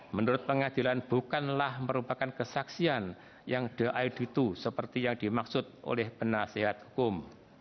menurut pengadilan bukanlah merupakan kesaksian yang the auditu seperti yang dimaksud oleh penasehat hukum